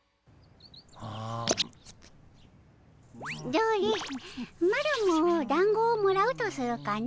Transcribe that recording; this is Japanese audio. どれマロもだんごをもらうとするかの。